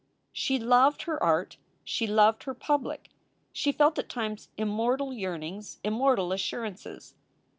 She loved her art. She loved her public. She felt at times immortal yearnings, immortal assurances.